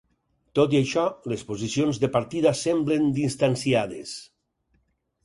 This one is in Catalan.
Tot i això, les posicions de partida semblen distanciades.